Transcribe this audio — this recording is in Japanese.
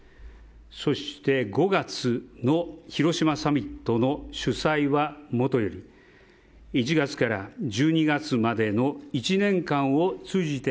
そして、５月の広島サミットの主催はもとより１月から１２月までの１年間を通じて